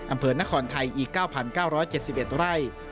อำเภอนครไทยอีก๙๙๗๑ไร่